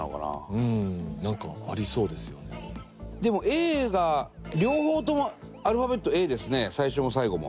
でもＡが両方ともアルファベットＡですね最初も最後も。